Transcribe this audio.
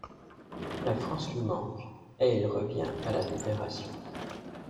La France lui manque et il revient à la Libération.